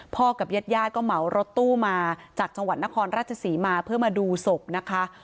กับญาติญาติก็เหมารถตู้มาจากจังหวัดนครราชศรีมาเพื่อมาดูศพนะคะ